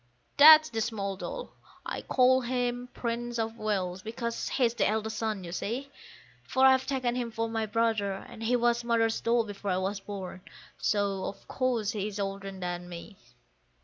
That's the small doll. I call him the Prince of Wales because he's the eldest son, you see; For I've taken him for my brother, and he was Mother's doll before I was born, so of course he is older than me.